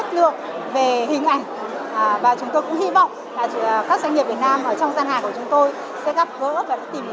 thứ nhất là giao dịch với các doanh nghiệp việt nam và những sản phẩm của việt nam